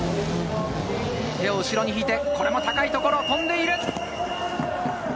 手を後ろに引いて、これも高いところを飛んでいる。